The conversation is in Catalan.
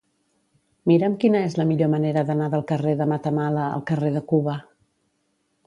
Mira'm quina és la millor manera d'anar del carrer de Matamala al carrer de Cuba.